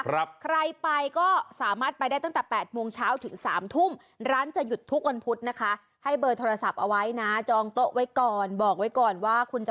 ขอบคุณมากคุณผู้ชมสวัสดีค่ะ